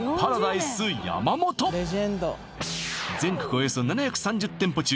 およそ７３０店舗中